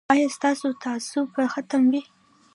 ایا ستاسو تعصب به ختم وي؟